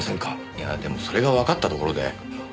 いやでもそれがわかったところで。